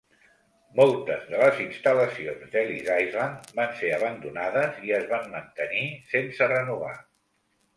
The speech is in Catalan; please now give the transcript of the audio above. Moltes de les instal·lacions d'Ellis Island van ser abandonades i es van mantenir sense renovar.